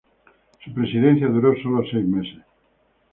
Su presidencia duró solo seis meses.